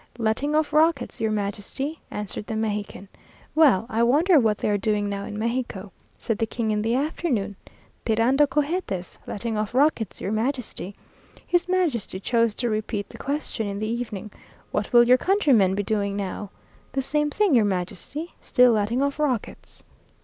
"Letting off rockets, your Majesty," answered the Mexican. "Well I wonder what they are doing now in Mexico!" said the King in the afternoon. "Tirando cohetes letting off rockets, your Majesty." His Majesty chose to repeat the question in the evening. "What will your countrymen be doing now?" "The same thing, your Majesty. Still letting off rockets."